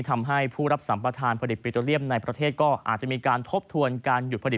ทำให้ผู้รับสัมประธานผลิตปิโตเรียมในประเทศก็อาจจะมีการทบทวนการหยุดผลิต